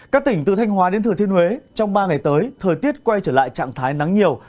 các tỉnh từ thanh hóa đến thừa thiên huế trong ba ngày tới thời tiết quay trở lại trạng thái nắng nhiều